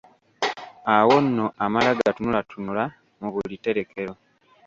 Awo nno amala gatunulatunula mu buli tterekero.